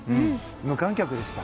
無観客でした。